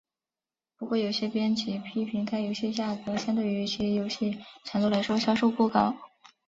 不过有些编辑批评该游戏价格相对于其游戏长度来说售价过高。